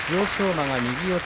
馬が右四つ